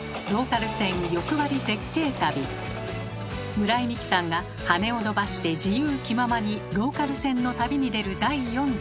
村井美樹さんが羽を伸ばして自由気ままにローカル線の旅に出る第４弾。